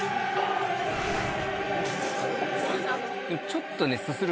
ちょっとね。